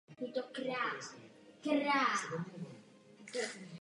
Další aspekt je pak klesající rozlišení a kontrast.